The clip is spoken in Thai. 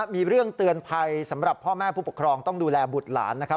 มีเรื่องเตือนภัยสำหรับพ่อแม่ผู้ปกครองต้องดูแลบุตรหลานนะครับ